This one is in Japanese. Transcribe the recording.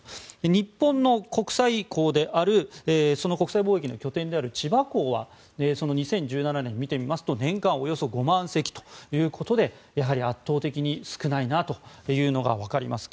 日本の国際港である国際貿易の拠点である千葉港は２０１７年を見てみますと年間およそ５万隻ということでやはり圧倒的に少ないなというのがわかります。